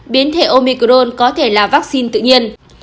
biến thể omicron có thể là vaccine tự nhiên